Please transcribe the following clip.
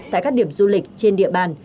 tại các điểm du lịch trên địa bàn